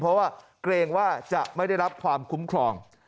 เพราะว่าเกรงว่าจะไม่ได้รับความคุ้มครอง